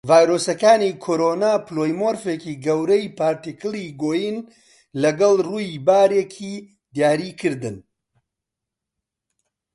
ڤایرۆسەکانی کۆڕۆنا پلۆیمۆرفیکی گەورەی پارتیکڵی گۆیین لەگەڵ ڕووی باریکی دیاریکردن.